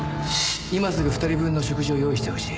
今すぐ２人分の食事を用意してほしい。